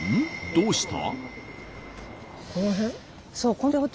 どうした？